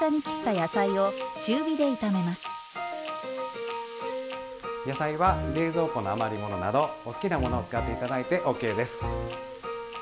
野菜は冷蔵庫の余り物などお好きなものを使って頂いてＯＫです。